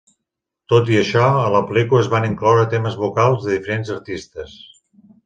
Tot i això, a la pel·lícula es van incloure temes vocals de diferents artistes.